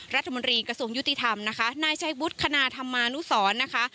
รัฐมนตรีกระทรวงยุติธรรมนะคะนายชัยวุฒิคณะธรรมานุสรนะคะ